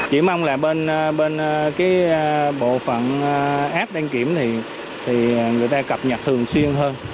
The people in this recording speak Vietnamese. chỉ mong là bên cái bộ phận app đăng kiểm thì người ta cập nhật thường xuyên hơn